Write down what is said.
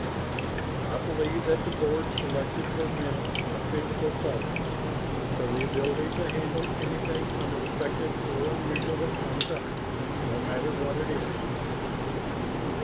"I believe that the Board selected for mental, not physical, qualities; for the ability to handle anything unexpected or unusual that comes up, no matter what it is."